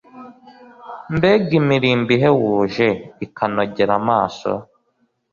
mbega imirimbo ihebuje, ikanogera amaso!